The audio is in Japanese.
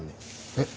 えっ？